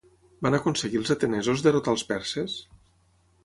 Van aconseguir els atenesos derrotar els perses?